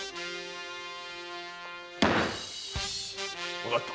わかった。